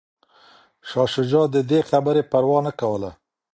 شاه شجاع د دې خبرې پروا نه کوله.